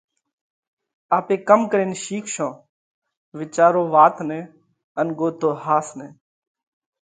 آپي ڪم ڪرينَ شِيکشون؟ وِيچارو وات نئہ ان ڳوتو ۿاس نئہ!